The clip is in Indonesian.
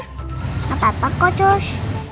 nggak apa apa kok cus